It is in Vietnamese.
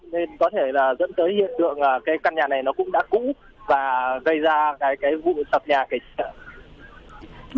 nên có thể là dẫn tới hiện tượng cái căn nhà này nó cũng đã cũ và gây ra cái vụ sập nhà kể trở